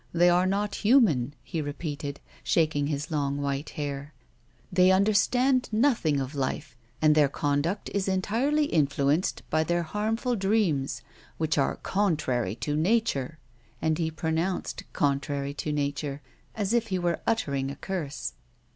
They are not human," he repeated, shaking his long white hair. " They understand nothing of life, and their conduct is entirely influenced by their harmful dreams, which are contrary to Nature." And he pro nounced " contrary to Nature " as if he were uttering a curse.